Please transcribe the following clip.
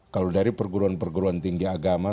kalau dari perguruan perguruan tinggi agama